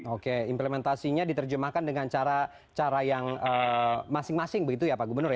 oke implementasinya diterjemahkan dengan cara yang masing masing begitu ya pak gubernur ya